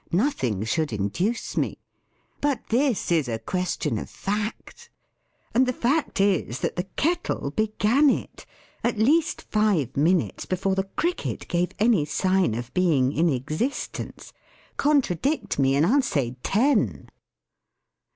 Nothing should induce me. But this is a question of fact. And the fact is, that the Kettle began it, at least five minutes before the Cricket gave any sign of being in existence. Contradict me: and I'll say ten.